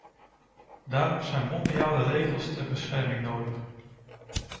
Daarom zijn mondiale regels ter bescherming nodig.